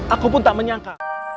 aku pun tak menyangka